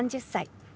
３０歳。